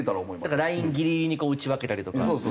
だからラインギリギリに打ち分けたりとか。